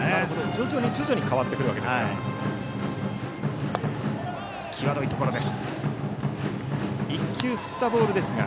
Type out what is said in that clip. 徐々に変わってくるわけですね。